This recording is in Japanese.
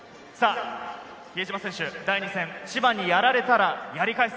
比江島選手、第２戦、千葉にやられたらやり返す。